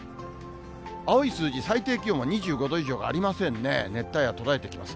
青い数字、最低気温が２５度以上がありませんね、熱帯夜、途絶えてきます。